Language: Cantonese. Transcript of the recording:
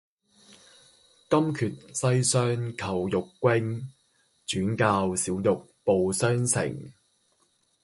金闕西廂叩玉扃，轉教小玉報雙成。